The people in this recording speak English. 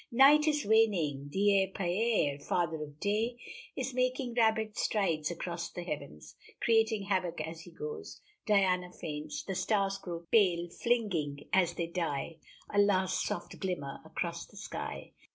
Night is waning! Dies pater, Father of Day, is making rapid strides across the heavens, creating havoc as he goes. Diana faints! the stars grow pale, flinging, as they die, a last soft glimmer across the sky.